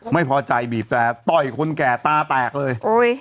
ไม่พอใจบีบแตรต่อยคนแก่ตาแตกเลยโอ้ย